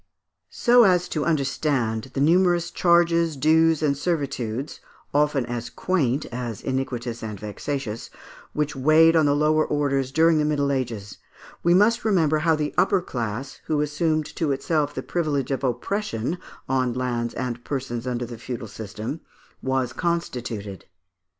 So as to understand the numerous charges, dues, and servitudes, often as quaint as iniquitous and vexations, which weighed on the lower orders during the Middle Ages, we must remember how the upper class, who assumed to itself the privilege of oppression on lands and persons under the feudal System, was constituted.